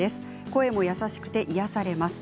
声も優しくて癒やされます。